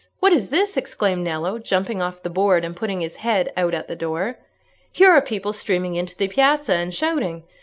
what is this?" exclaimed Nello, jumping off the board, and putting his head out at the door. "Here are people streaming into the piazza, and shouting.